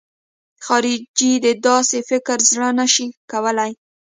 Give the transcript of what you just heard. خارجي د داسې فکر زړه نه شي کولای.